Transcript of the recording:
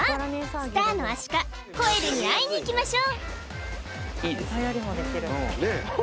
スターのアシカコエルに会いにいきましょう